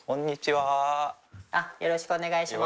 よろしくお願いします。